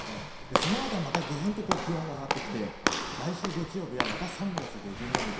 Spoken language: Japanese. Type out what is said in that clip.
その後はまたぐぐんと気温が上がってきて来週、月曜日はまた３月下旬並み。